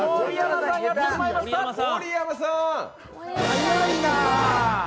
早いな！